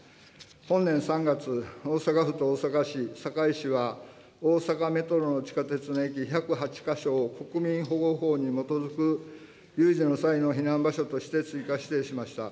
本年３月、大阪府と大阪市、堺市は、大阪メトロの地下鉄の駅１０８か所を国民保護法に基づく有事の際の避難場所として追加指定しました。